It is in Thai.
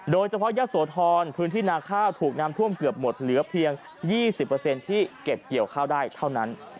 โดยเฉพาะยะโสธรพื้นที่นาข้าวถูกน้ำท่วมเกือบหมดเหลือเพียง๒๐ที่เก็บเกี่ยวข้าวได้เท่านั้น